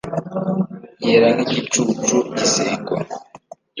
yera nk'igicucu gisengwa